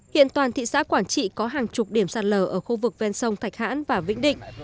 hiện toàn thị xã quảng trị có hàng chục điểm sạt lở ở khu vực ven sông thạch hãn và vĩnh định